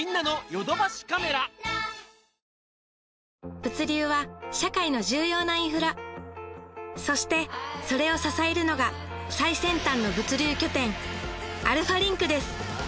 物流は社会の重要なインフラそしてそれを支えるのが最先端の物流拠点アルファリンクです